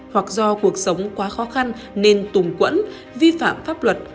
hoặc do cuộc sống quá khó khăn nên tùng quẫn vi phạm pháp luật